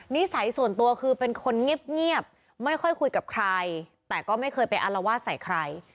นิสัยส่วนตัวคือเป็นคนเงียบไม่ค่อยคุยกับใครแต่ก็ไม่เคยไปอารวาสใส่ใคร